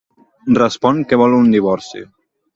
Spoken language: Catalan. Respon que vol un divorci.